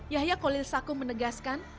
yahya kolilsaku menegaskan